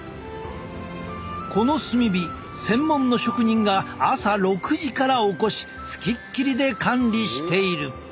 この炭火専門の職人が朝６時からおこし付きっきりで管理している。